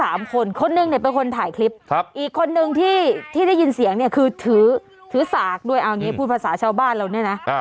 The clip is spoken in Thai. อีกคนนึงเนี่ยเป็นคนถ่ายคลิปอีกคนนึงที่ได้ยินเสียงเนี่ยคือถือสากด้วยพูดภาษาชาวบ้านแล้วเนี่ยนะ